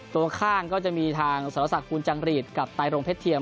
ตัวข้างก็จะมีทางสรษักภูลจังหรีดกับไตรรงเพชรเทียม